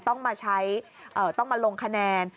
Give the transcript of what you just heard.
ต้องมาใช้ต้องมาลงคะแนน